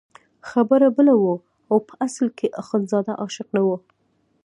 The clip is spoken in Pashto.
خبره بله وه او په اصل کې اخندزاده عاشق نه وو.